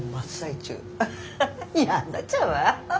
やんなっちゃうわ。